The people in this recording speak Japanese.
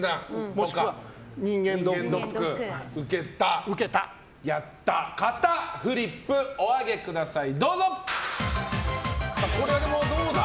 もしくは人間ドックを受けたやった方フリップをお上げください！